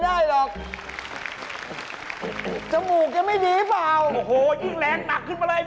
สภาพหนูดูจนมากเหรอคะ